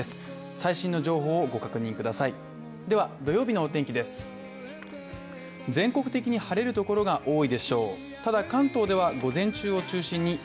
最新の情報をご確認ください。